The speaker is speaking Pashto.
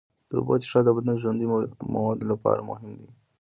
د اوبو څښل د بدن د ژوندیو موادو لپاره مهم دي.